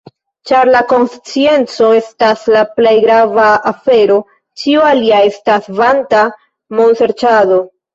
Ĉar la konscienco estas la plej grava afero, ĉio alia estas vanta monserĉado.